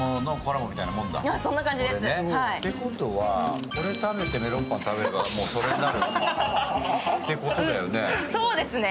てことはこれ食べてメロンパン食べればもうそれになるんだってことだよね。